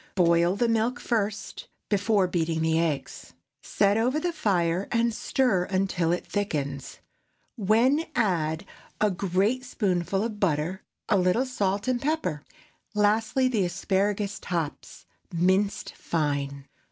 Boil the milk first, before beating in the eggs; set over the fire and stir until it thickens, when add a great spoonful of butter, a little salt and pepper; lastly, the asparagus tops, minced fine.